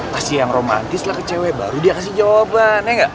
kasih yang romantis lah ke cewek baru dia kasih jawaban ya gak